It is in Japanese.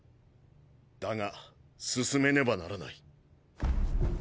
だが進めねばならない。